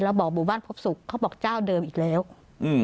เราบอกบุบันพบศุกร์เขาบอกเจ้าเดิมอีกแล้วอืม